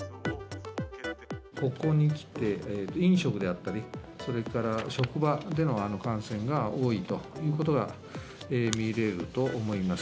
ここにきて、飲食であったり、それから職場での感染が多いということが見れると思います。